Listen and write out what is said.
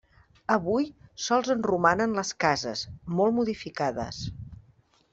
Avui sols en romanen les cases, molt modificades.